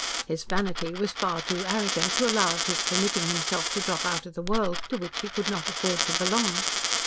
His vanity was far too arrogant to allow of his permitting himself to drop out of the world to which he could not afford to belong.